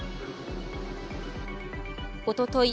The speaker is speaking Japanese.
おととい